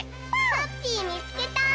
ハッピーみつけた！